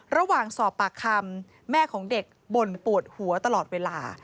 ระหว่างสอบปากคำแม่ของเด็กบ่นปวดหัวตลอดเวลา